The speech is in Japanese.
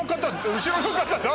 後ろの方誰？